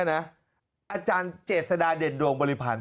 อาจารย์เจษฎาเด่นดวงบริพันธ์